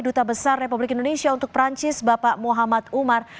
duta besar republik indonesia untuk perancis bapak muhammad umar